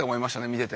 見てて。